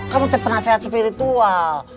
kamu tidak pernah sehat spiritual